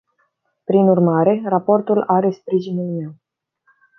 Prin urmare, raportul are sprijinul meu.